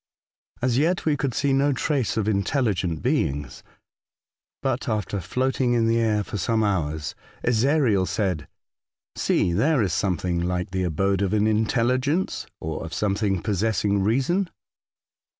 As yet we could see no trace of intelligent beings ; but, after floating in the air for some hours, Ezariel said :'' See, there is something like the abode of an intelligence, or of something possessing reason."